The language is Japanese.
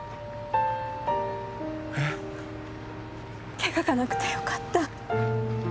怪我がなくてよかった。